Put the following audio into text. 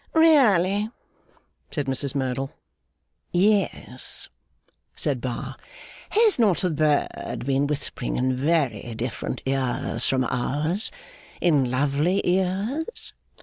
'Really?' said Mrs Merdle. 'Yes,' said Bar. 'Has not the bird been whispering in very different ears from ours in lovely ears?